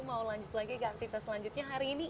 mau lanjut lagi ke aktivitas selanjutnya hari ini